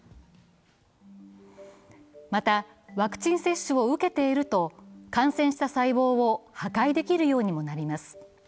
また、ワクチン接種を受けていると感染した細胞を破壊できるようにもなります。